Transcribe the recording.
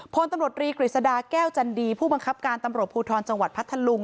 พลตำรวจรีกฤษฎาแก้วจันดีผู้บังคับการตำรวจภูทรจังหวัดพัทธลุง